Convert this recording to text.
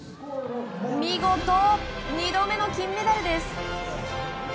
見事、２度目の金メダルです！